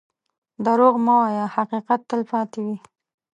دروغ مه وایه، حقیقت تل پاتې وي.